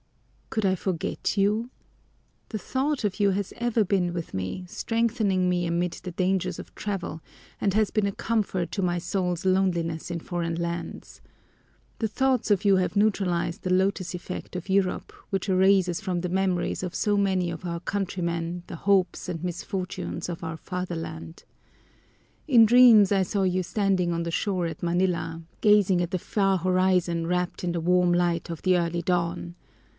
"Could I forget you? The thought of you has ever been with me, strengthening me amid the dangers of travel, and has been a comfort to my soul's loneliness in foreign lands. The thoughts of you have neutralized the lotus effect of Europe, which erases from the memories of so many of our countrymen the hopes and misfortunes of our fatherland. In dreams I saw you standing on the shore at Manila, gazing at the far horizon wrapped in the warm light of the early dawn.